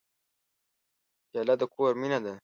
پیاله د کور مینه ده.